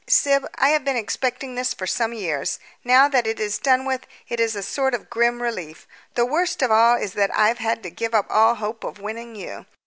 "Syb, I have been expecting this for some years; now that it is done with, it is a sort of grim relief. The worst of all is that I've had to give up all hope of winning you.